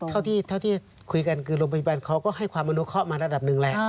เท่าที่คุยกันคือโรงพยาบาลเขาก็ให้ความอนุเคราะห์มาระดับหนึ่งแหละ